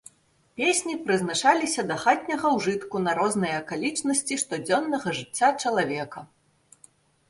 Песні прызначаліся да хатняга ўжытку на розныя акалічнасці штодзённага жыцця чалавека.